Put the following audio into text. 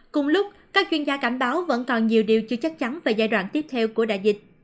cùng lúc các chuyên gia cảnh báo vẫn còn nhiều điều chưa chắc chắn về giai đoạn tiếp theo của đại dịch